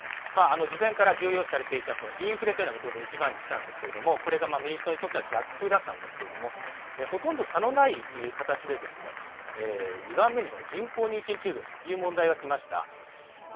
事前から重要視されていたインフレは当然１番に来たんですけれども、これが民主党にとっては逆風だったんですけれども、ほとんど差のない形で、２番目に人工妊娠中絶という問題がきました。